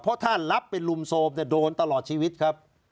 เพราะท่านรับเป็นลุมโซมแต่โดนตลอดชีวิตครับ